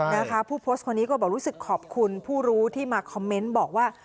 นะคะผู้โพสต์คนนี้ก็บอกรู้สึกขอบคุณผู้รู้ที่มาคอมเมนต์บอกว่า